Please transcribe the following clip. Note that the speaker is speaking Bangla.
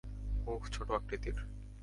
মুখ ছোট আকৃতির।